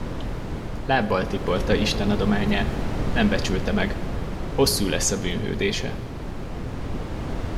Lábbal tiporta isten adományát, nem becsülte meg; hosszú lesz a bűnhődése!